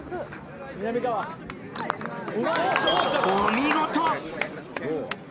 お見事！